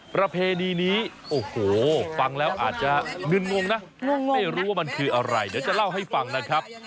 ประเพณีนี้โอ้โหฟังแล้วอาจจะงึนงงนะงงไม่รู้ว่ามันคืออะไรเดี๋ยวจะเล่าให้ฟังนะครับ